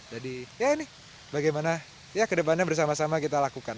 jadi ya ini bagaimana ya ke depannya bersama sama kita lakukan